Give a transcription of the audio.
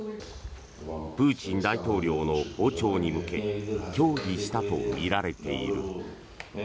プーチン大統領の訪朝に向け協議したとみられている。